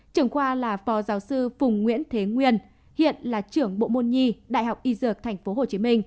trưởng khoa là phó giáo sư phùng nguyễn thế nguyên hiện là trưởng bộ môn nhi đại học y dược tp hcm